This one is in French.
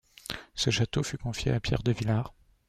Ce château fut confié à Pierre de Villar.